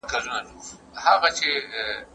د خپلو همسايه ګانو حقوق وپيژنئ.